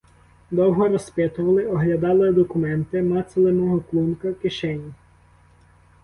Довго розпитували, оглядали документи, мацали мого клунка, кишені.